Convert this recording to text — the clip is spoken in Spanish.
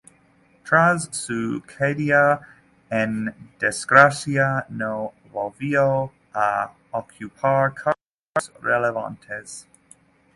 Tras su caída en desgracia no volvió a ocupar cargos relevantes.